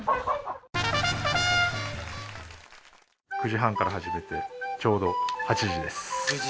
９時半から始めてちょうど８時です。